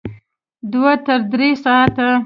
دوه تر درې ساعته